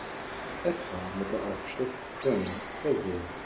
Es war mit der Aufschrift Crane versehen.